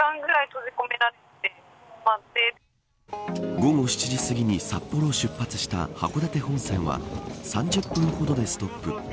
午後７時すぎに札幌を出発した函館本線は３０分ほどでストップ。